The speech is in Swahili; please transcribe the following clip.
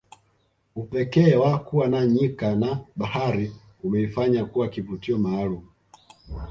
upekee wa kuwa na nyika na bahari umeifanya kuwa kivutio maalum